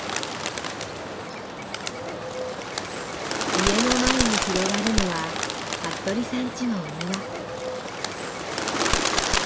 家の前に広がるのは服部さんちのお庭。